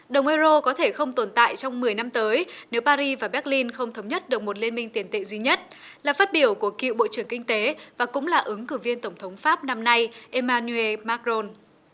đồng euro có thể không tồn tại trong một mươi năm tới nếu paris và berlin không thống nhất được một liên minh tiền tệ duy nhất là phát biểu của cựu bộ trưởng kinh tế và cũng là ứng cử viên tổng thống pháp năm nay emmanuel macron